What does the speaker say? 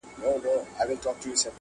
یو که بل وي نو څلور یې پښتانه وي.